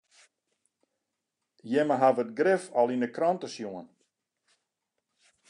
Jimme hawwe it grif al yn de krante sjoen.